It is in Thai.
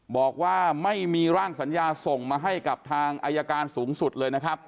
บอกว่าไม่มีร่างสัญญาส่งมาให้กับทางอายการสูงสุดเลยนะครับ